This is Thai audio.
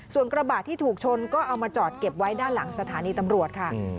ส่วนกระบะที่ถูกชนก็เอามาจอดเก็บไว้ด้านหลังสถานีตำรวจค่ะ